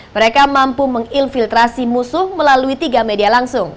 mereka mampu menginfiltrasi musuh melalui tiga media langsung